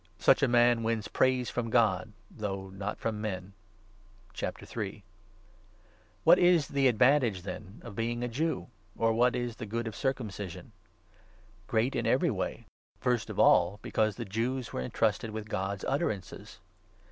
Such a man wins praise from God, though not from men. What is the advantage, then, of being a Jew? i rh%o" jow*P* or what is the good of circumcision ? Great in 2 and contiie every way. First of all, because the Jews were *"*•• entrusted with God's utterances.